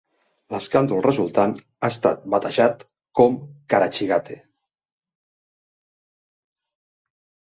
L'escàndol resultant ha estat batejat com "Karachigate".